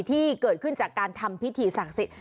ที่เกิดขึ้นจากการทำพิธีสังสิต